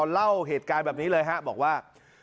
เล่าเหตุการณ์แบบนี้เลยฮะบอกว่า